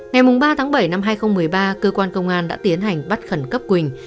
ngày ba tháng bảy năm hai nghìn một mươi ba cơ quan công an đã tiến hành bắt khẩn cấp quỳnh